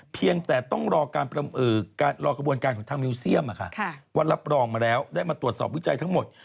เพียงแต่ต้องรอการรอกระบวนการของทางมิวเซียมว่ารับรองมาแล้วได้มาตรวจสอบวิจัยทั้งหมด